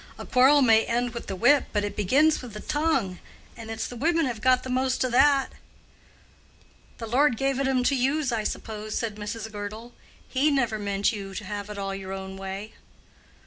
"A quarrel may end wi' the whip, but it begins wi' the tongue, and it's the women have got the most o' that." "The Lord gave it 'em to use, I suppose," said Mrs. Girdle. "He never meant you to have it all your own way."